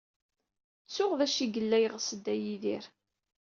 Ttuɣ d acu ay yella yeɣs Dda Yidir.